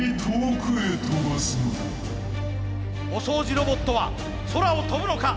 お掃除ロボットは空を跳ぶのか。